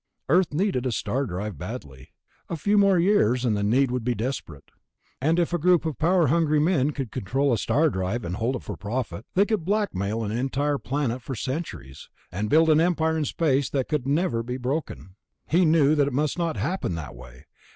Earth needed a star drive badly; a few more years, and the need would be desperate. And if a group of power hungry men could control a star drive and hold it for profit, they could blackmail an entire planet for centuries, and build an empire in space that could never be broken. He knew that it must not happen that way.